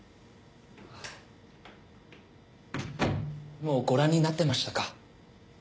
もうご覧になってましたか。